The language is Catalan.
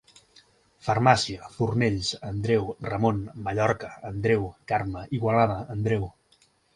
Farmàcia: Fornells, Andreu, Ramon, Mallorca, Andreu, Carme, Igualada, Andreu.